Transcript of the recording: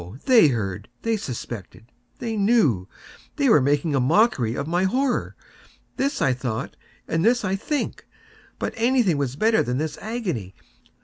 They heard!—they suspected!—they knew!—they were making a mockery of my horror!—this I thought, and this I think. But anything was better than this agony!